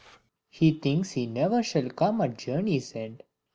He thinks he ne'er shall come at's journey's end.